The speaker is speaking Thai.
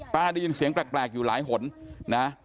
ได้ยินเสียงแปลกอยู่หลายหนนะ